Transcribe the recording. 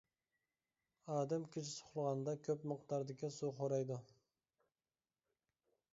ئادەم كېچىسى ئۇخلىغاندا كۆپ مىقداردىكى سۇ خورايدۇ.